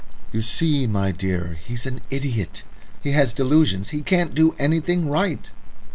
"You see, my dear, he's an idiot. He has delusions; he can't do anything right."